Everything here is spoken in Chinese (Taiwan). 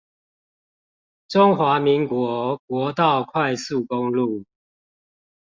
中華民國國道快速公路